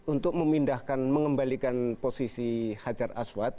untuk memindahkan mengembalikan posisi hajar aswad